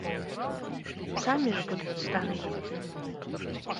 Самі ж будуць старымі.